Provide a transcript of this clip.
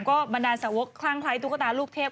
ก็บรรดาลสาวกคลั่งคล้ายตุ๊กตาลูกเทพ